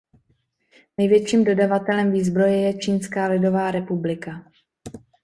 Největším dodavatelem výzbroje je Čínská lidová republika.